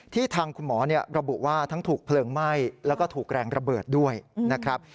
ทางคุณหมอระบุว่าทั้งถูกเพลิงไหม้แล้วก็ถูกแรงระเบิดด้วยนะครับ